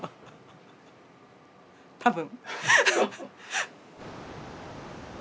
多分。